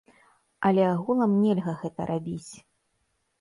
Але агулам нельга гэта рабіць.